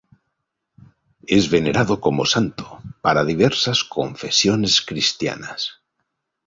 Es venerado como santo para diversas confesiones cristianas.